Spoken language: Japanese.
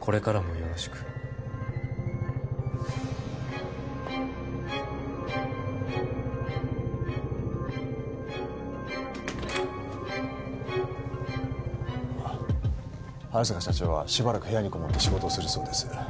これからもよろしく早坂社長はしばらく部屋に籠もって仕事をするそうです